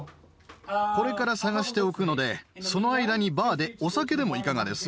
これから探しておくのでその間にバーでお酒でもいかがです？